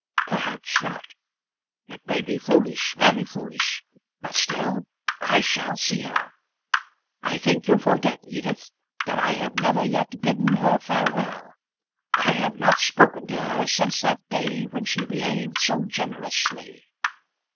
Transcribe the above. "Perhaps not. It may be foolish, very foolish; but still I shall see her. I think you forget, Edith, that I have never yet bidden her farewell. I have not spoken to her since that day when she behaved so generously."